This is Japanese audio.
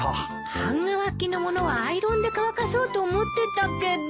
半乾きの物はアイロンで乾かそうと思ってたけど。